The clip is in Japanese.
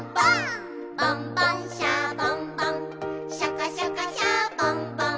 「ボンボン・シャボン・ボンシャカシャカ・シャボン・ボン」